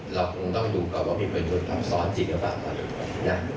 เราคงต้องดูก่อนว่ามีประโยชน์คำสอนจริงหรือเปล่า